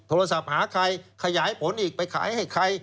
โทรศัพท์หาใครขยายผลอีกไปขายให้ใคร